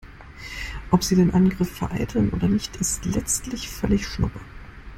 Ob sie den Angriff vereiteln oder nicht, ist letztlich völlig schnuppe.